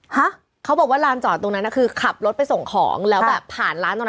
ฮะเขาบอกว่าลานจอดตรงนั้นน่ะคือขับรถไปส่งของแล้วแบบผ่านร้านตรงนั้น